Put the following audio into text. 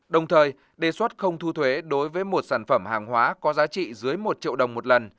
đồng thời đề xuất không thu thuế đối với một sản phẩm hàng hóa có giá trị dưới một triệu đồng một lần